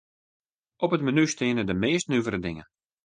Op it menu steane de meast nuvere dingen.